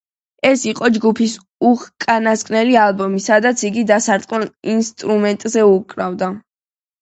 ეს იყო ჯგუფის უკანასკნელი ალბომი, სადაც იგი დასარტყამ ინსტრუმენტებზე უკრავდა.